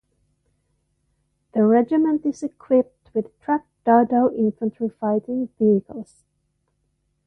The regiment is equipped with tracked Dardo infantry fighting vehicles.